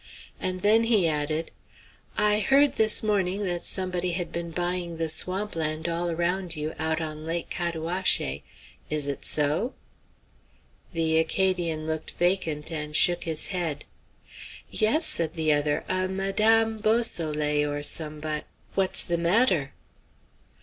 And then he added: "I heard this morning that somebody had been buying the swamp land all around you out on Lake Cataouaché. Is it so?" The Acadian looked vacant and shook his head. "Yes," said the other, "a Madame Beausoleil, or somebod What's the matter?"